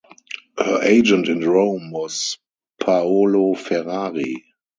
Her agent in Rome was Paolo Ferrari.